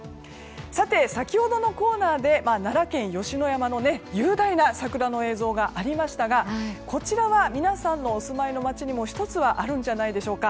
先ほどのコーナーで奈良県吉野山の雄大な桜の映像がありましたがこちらは皆さんのお住まいの街にも１つはあるんじゃないでしょうか。